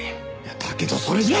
だけどそれじゃあ。